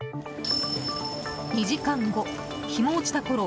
２時間後、日も落ちたころ